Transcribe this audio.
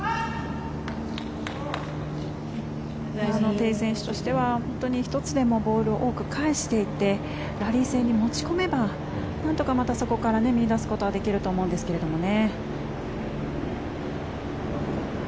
テイ選手としては１つでも多くボールを返していってラリー戦に持ち込めばなんとかそこから見いだすことはできると思うんですけどね。